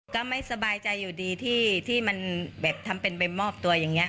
ก็ไม่สบายใจอยู่ดีที่มันแบบทำเป็นไปมอบตัวอย่างนี้